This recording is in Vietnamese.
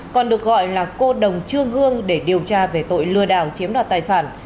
còn được gọi là cô đồng trương hương để điều tra về tội lừa đảo chiếm đoạt tài sản